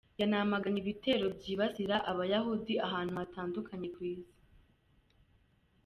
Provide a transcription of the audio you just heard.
Yanamaganye ibitero byibasira Abayahudi ahantu hatandukanye ku isi.